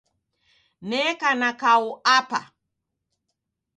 Neka na kau Apa.